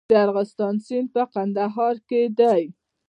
د ارغستان سیند په کندهار کې دی